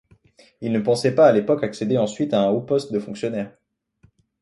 Il ne pensait pas à l'époque accéder ensuite à un haut poste de fonctionnaire.